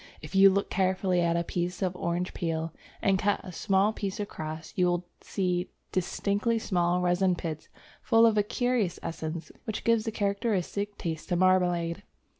If you look carefully at a piece of orange peel, and cut a small piece across, you will see distinctly small resin pits full of a curious essence which gives the characteristic taste to marmalade.